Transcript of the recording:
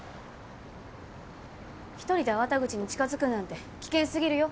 一人で粟田口に近づくなんて危険すぎるよ。